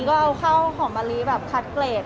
ก็เอาข้าวหอมมะลิแบบคัดเกรด